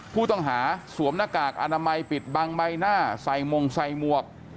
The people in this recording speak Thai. ผู้ต้องหาสวมหน้ากากอนามัยปิดบางใบหน้าใส่มงใส่มวก